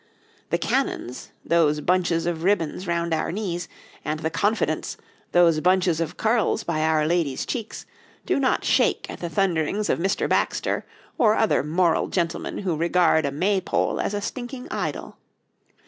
The cannons, those bunches of ribbons round our knees, and the confidents, those bunches of curls by our ladies' cheeks, do not shake at the thunderings of Mr. Baxter or other moral gentlemen who regard a Maypole as a stinking idol.